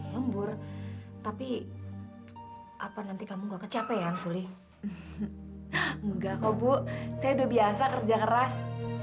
lembur tapi apa nanti kamu enggak kecapek ya fuli enggak kok bu saya udah biasa kerja keras